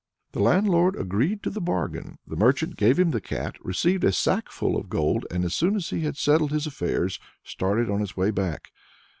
The landlord agreed to the bargain. The merchant gave him the cat, received a sackful of gold, and as soon as he had settled his affairs, started on his way back.